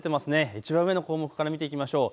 いちばん上の項目から見ていきましょう。